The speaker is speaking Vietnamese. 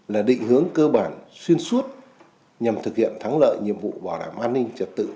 là định hướng cơ bản xuyên suốt nhằm thực hiện thắng lợi nhiệm vụ bảo đảm an ninh trật tự